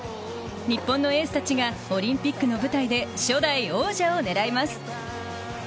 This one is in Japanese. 日本のエースたちが、オリンピックの舞台で初代王者を狙います。